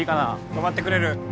止まってくれる？